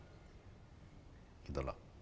bagaimana kita akan meningkatkan